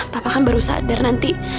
papa kan baru sadar nanti